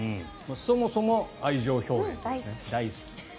そもそも愛情表現大好き。